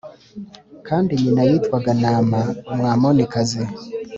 kandi nyina yitwaga Nāma Umwamonikazi